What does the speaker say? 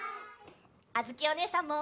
あづきおねえさんも！